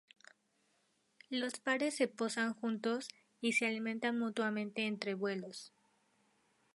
Los pares se posan juntos y se alimentan mutuamente entre vuelos.